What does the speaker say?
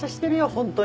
ホントに。